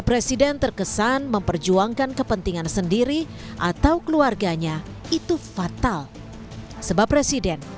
presiden terkesan memperjuangkan kepentingan sendiri atau keluarganya itu fatal sebab presiden